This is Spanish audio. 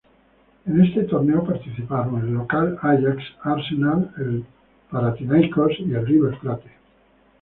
En este torneo participaron el local, Ajax, Arsenal, el Panathinaikos y el River Plate.